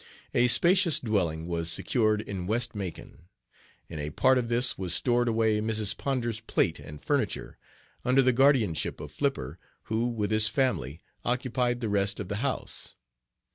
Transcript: A spacious dwelling was secured in West Macon. In a part of this was stored away Mrs. Ponder's plate and furniture, under the guardianship of Flipper, who with his family occupied the rest of the house.